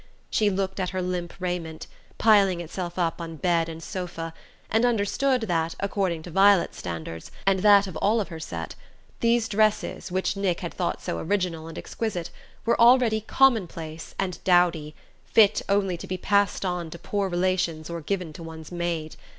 She looked at her limp raiment, piling itself up on bed and sofa, and understood that, according to Violet's standards, and that of all her set, those dresses, which Nick had thought so original and exquisite, were already commonplace and dowdy, fit only to be passed on to poor relations or given to one's maid.